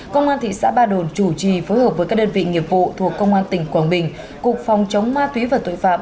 công an thị xã ba đồn chủ trì phối hợp với các đơn vị nghiệp vụ thuộc công an tỉnh quảng bình cục phòng chống ma túy và tội phạm